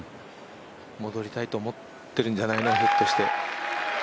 戻りたいと思ってるんじゃないの、ひょっとして。